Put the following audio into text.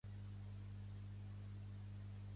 Els partits es juguen en quatre minuts en cinc períodes.